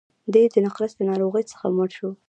دی د نقرس له ناروغۍ څخه مړ شو.